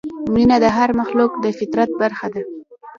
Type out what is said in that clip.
مینه د هر مخلوق د فطرت برخه ده.